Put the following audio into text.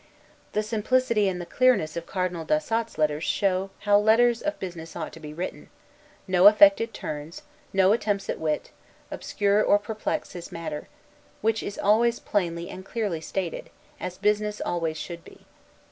The simplicity and the clearness of Cardinal d'Ossat's letters show how letters of business ought to be written; no affected turns, no attempts at wit, obscure or perplex his matter; which is always plainly and clearly stated, as business always should be.